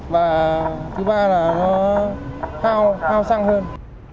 và thứ ba là nó hao xăng hơn